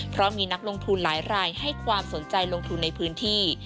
เพราะมีนักลงทุนหลายรายให้ความสนใจลงทุนในพื้นที่